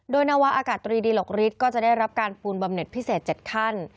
โดยนาวาอากาศตรีดีหลกฤทธิ์ก็จะได้รับการปูนบำเน็ตพิเศษ๗ขั้น